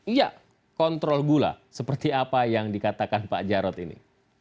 iya kontrol gula seperti apa yang dikatakan pak jarod ini